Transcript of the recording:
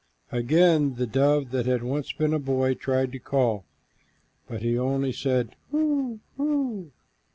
Again the dove that had once been a boy tried to call, but he only said, "Hoo, hoo!"